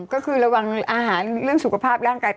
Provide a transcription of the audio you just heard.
ก็คือระวังอาหารเรื่องสุขภาพร่างกาย